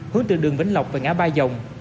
hướng từ đường vĩnh lộc về ngã ba dòng